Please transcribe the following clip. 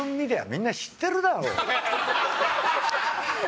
みんな知ってるだろう！